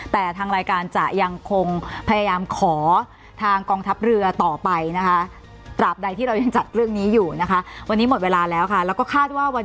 แต่ทางรายการจะยังคงพยายามขอทางกองทัพเรือต่อไปนะคะ